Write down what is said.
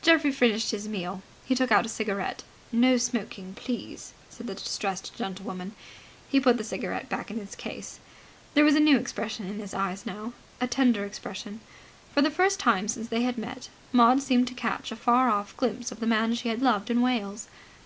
Geoffrey finished his meal. He took out a cigarette. ("No smoking, please!" said the distressed gentlewoman.) He put the cigarette back in its case. There was a new expression in his eyes now, a tender expression. For the first time since they had met Maud seemed to catch a far off glimpse of the man she had loved in Wales.